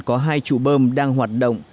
có hai chủ bơm đang hoạt động